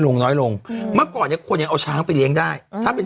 ลงน้อยลงเมื่อก่อนเนี้ยคนยังเอาช้างไปเลี้ยงได้ถ้าเป็น